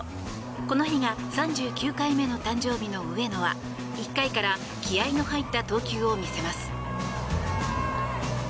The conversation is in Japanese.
この日が３９回目の誕生日の上野は１回から気合の入った投球を見せます。